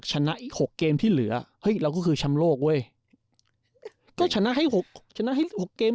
เหลือเฮ้ยเราก็คือแชมป์โลกเว้ยก็ชนะให้หกชนะให้หกเกม